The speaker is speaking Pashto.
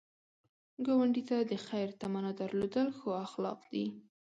ګاونډي ته د خیر تمنا درلودل ښو اخلاق دي